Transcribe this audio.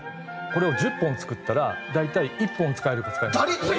これを１０本作ったら大体１本使えるか使えないか。